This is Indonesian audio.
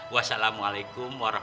gimana sih rurum